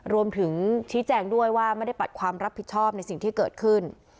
รวมถึงชี้แจงด้วยว่าไม่ได้ปัดความรับผิดชอบในสิ่งที่เกิดขึ้น